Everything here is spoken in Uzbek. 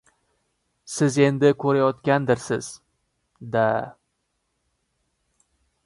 — Siz endi ko‘rayotgandirsiz-da?